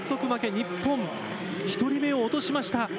日本、１人目を落としました。